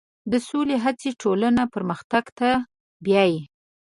د سولې هڅې ټولنه پرمختګ ته بیایي.